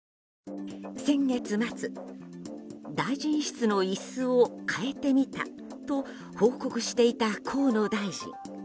先月末大臣室の椅子を変えてみたと報告していた河野大臣。